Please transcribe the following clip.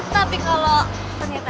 tapi kalau ternyata ada ya